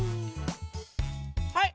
はい！